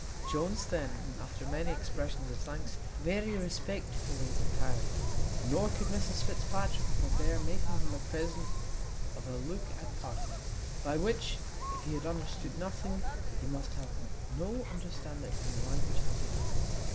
Jones, then, after many expressions of thanks, very respectfully retired; nor could Mrs Fitzpatrick forbear making him a present of a look at parting, by which if he had understood nothing, he must have had no understanding in the language of the eyes.